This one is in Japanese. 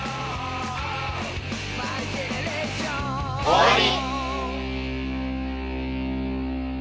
終わり。